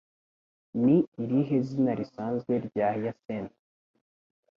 Ni irihe zina risanzwe rya Hyacint?